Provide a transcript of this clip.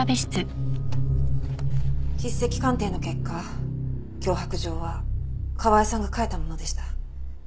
筆跡鑑定の結果脅迫状は川井さんが書いたものでした。